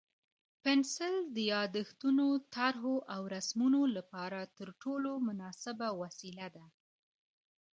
پنسل د یادښتونو، طرحو او رسمونو لپاره تر ټولو مناسبه وسیله ده.